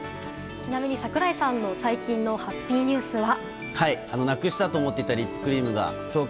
ちなみに櫻井さんの最近のハッピーニュースは？